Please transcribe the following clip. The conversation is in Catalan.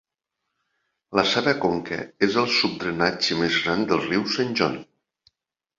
La seva conca és el subdrenatge més gran del riu Saint John.